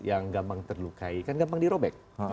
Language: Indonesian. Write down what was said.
yang gampang terlukai kan gampang dirobek